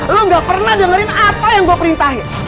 lo gak pernah dengerin apa yang gue perintahin